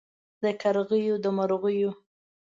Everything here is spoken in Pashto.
د کرغیو د مرغیو